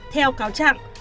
theo cáo chặn